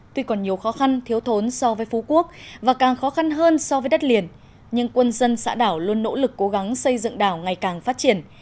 tuy còn nhiều khó khăn thiếu thốn so với phú quốc và càng khó khăn hơn so với đất liền nhưng quân dân xã đảo luôn nỗ lực cố gắng xây dựng đảo ngày càng phát triển